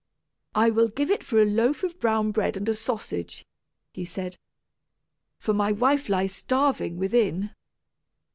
"I will give it for a loaf of brown bread and a sausage," he said, "for my wife lies starving, within."